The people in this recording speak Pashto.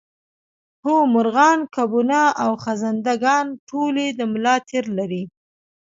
هو مارغان کبونه او خزنده ګان ټول د ملا تیر لري